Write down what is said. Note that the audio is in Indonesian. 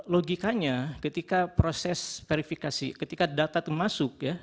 logikanya ketika proses verifikasi ketika data itu masuk ya